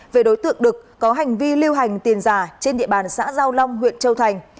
về đối tượng đực có hành vi lưu hành tiền giả trên địa bàn xã giao long huyện châu thành